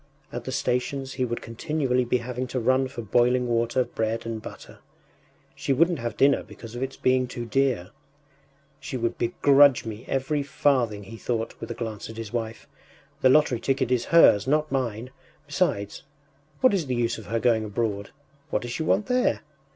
At the stations he would continually be having to run for boiling water, bread and butter.... She wouldn’t have dinner because of its being too dear.... “She would begrudge me every farthing,” he thought, with a glance at his wife. “The lottery ticket is hers, not mine! Besides, what is the use of her going abroad? What does she want there?